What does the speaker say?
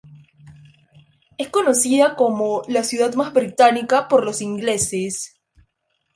Es conocida como la "ciudad más británica" por los ingleses.